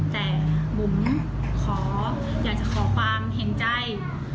แต่ผมอยากจะขอความเห็นใจ